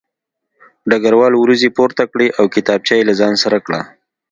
ډګروال وروځې پورته کړې او کتابچه یې له ځان سره کړه